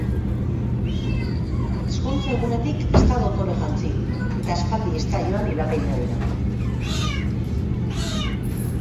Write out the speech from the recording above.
Ezkontza egunetik ez da dotore jantzi, eta aspaldi ez da joan ile-apaindegira.